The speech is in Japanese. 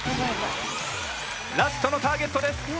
ラストのターゲットです。